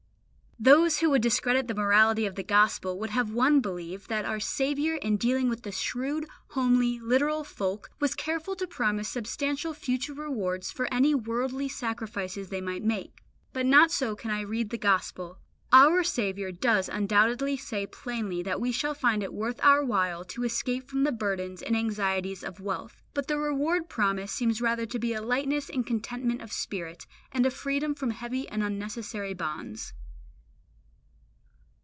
Those who would discredit the morality of the Gospel would have one believe that our Saviour in dealing with shrewd, homely, literal folk was careful to promise substantial future rewards for any worldly sacrifices they might make; but not so can I read the Gospel. Our Saviour does undoubtedly say plainly that we shall find it worth our while to escape from the burdens and anxieties of wealth, but the reward promised seems rather to be a lightness and contentment of spirit, and a freedom from heavy and unnecessary bonds.